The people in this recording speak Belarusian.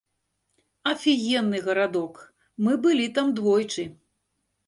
Афігенны гарадок, мы былі там двойчы.